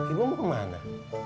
ibu mau kemana